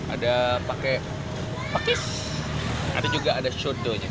ada pakai pakis ada juga ada soto nya